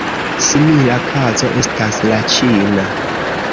Simila kazo estas la ĉina.